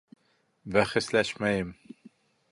Бәхәсләшмәйем.